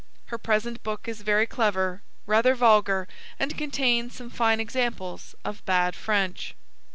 Her present book is very clever, rather vulgar, and contains some fine examples of bad French.